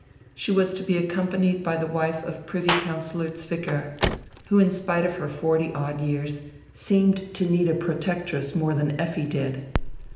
She was to be accompanied by the wife of Privy Councillor Zwicker, who in spite of her forty odd years seemed to need a protectress nrore than Effi did.